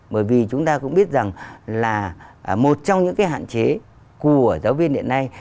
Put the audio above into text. bởi vì chúng ta cũng biết rằng là một trong những cái hạn chế của giáo viên hiện nay